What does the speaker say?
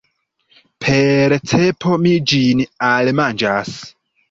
Per cepo mi ĝin almanĝas.